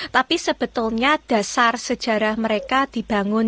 tapi sebetulnya dasar sejarah mereka dibangun